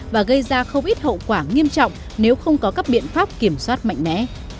và gây ra không ít hậu quả nghiêm trọng nếu không có các biện pháp kiểm soát mạnh mẽ